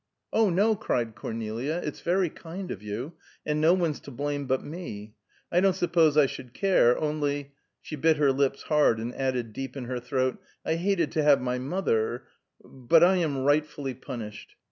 "Oh, no," cried Cornelia, "it's very kind of you, and no one's to blame but me. I don't suppose I should care; only" she bit her lips hard, and added deep in her throat "I hated to have my mother But I am rightfully punished."